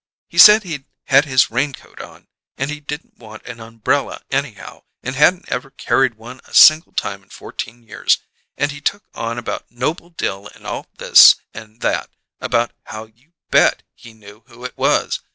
He said he'd had his raincoat on and he didn't want an umberella anyhow, and hadn't ever carried one a single time in fourteen years! And he took on about Noble Dill and all this and that about how you bet he knew who it was!